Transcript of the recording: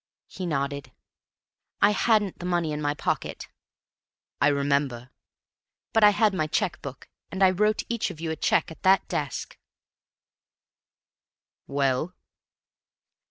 He nodded. "I hadn't the money in my pocket." "I remember." "But I had my check book, and I wrote each of you a check at that desk." "Well?"